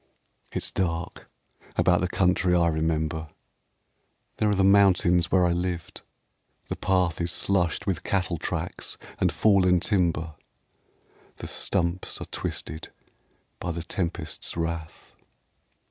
It's dark about the country I remember. There are the mountains where I lived. The path Is slushed with cattle tracks and fallen timber, The stumps are twisted by the tempests' wrath.